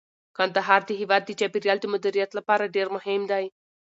کندهار د هیواد د چاپیریال د مدیریت لپاره ډیر مهم دی.